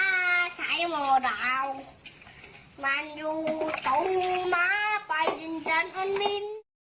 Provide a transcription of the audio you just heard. มันอยู่ตรงมาไปกินจานพันวิน